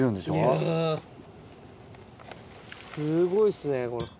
すごいですね。